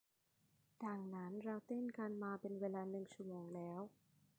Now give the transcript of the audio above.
ดังนั้นเราเต้นกันมาเป็นเวลาหนึ่งชั่วโมงแล้ว